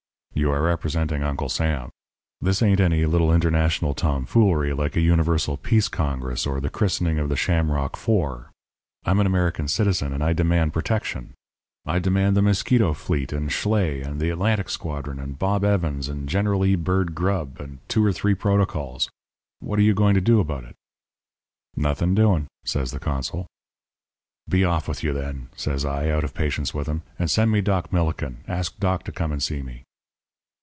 You are representing Uncle Sam. This ain't any little international tomfoolery, like a universal peace congress or the christening of the Shamrock IV. I'm an American citizen and I demand protection. I demand the Mosquito fleet, and Schley, and the Atlantic squadron, and Bob Evans, and General E. Byrd Grubb, and two or three protocols. What are you going to do about it?' "'Nothing doing,' says the consul. "'Be off with you, then,' says I, out of patience with him, 'and send me Doc Millikin. Ask Doc to come and see me.'